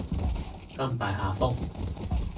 甘拜下風